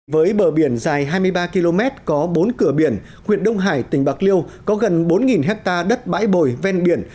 với bờ biển dài hai mươi ba km có bốn cửa biển huyện đông hải tỉnh bạc liêu có gần bốn hectare đất bãi bồi ven biển